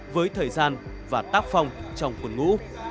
với thời gian và tác phòng trong quân ngũ